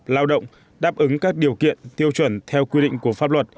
lao động đáp ứng các điều kiện tiêu chuẩn theo quy định của pháp luật